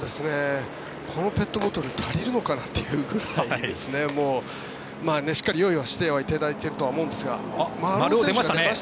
このペットボトルで足りるのかなというぐらいしっかり用意はしていただいていると思うんですが。